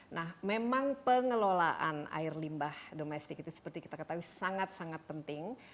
nah memang pengelolaan air limbah domestik itu seperti kita ketahui sangat sangat penting